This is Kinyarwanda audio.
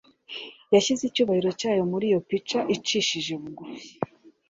Yashyize icyubahiro cyayo muri iyo pica icishije bugufi,